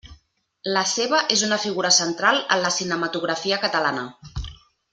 La seva és una figura central en la cinematografia catalana.